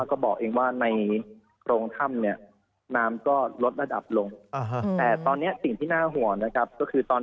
ก็บอกเองว่ารองท่ำเนี่ยน้ำก็ลดระดับลงแต่ตอนนี้ติดที่หน้าหัวนะครับคือตอน